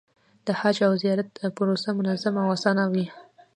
د حج او زیارت پروسه منظمه او اسانه وي.